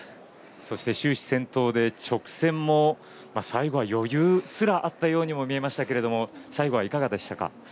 そして終始、先頭で直線も最後は余裕すらあったように見えましたけど最後はいかがですか？